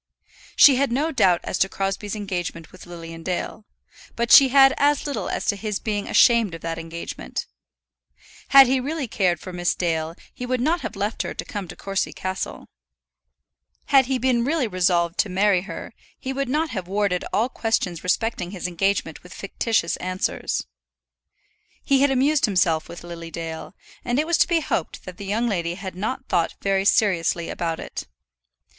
She had no doubt as to Crosbie's engagement with Lilian Dale, but she had as little as to his being ashamed of that engagement. Had he really cared for Miss Dale he would not have left her to come to Courcy Castle. Had he been really resolved to marry her, he would not have warded all questions respecting his engagement with fictitious answers. He had amused himself with Lily Dale, and it was to be hoped that the young lady had not thought very seriously about it.